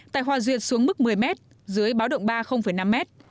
tại hòa duyệt xuống mức một mươi m dưới báo động ba năm m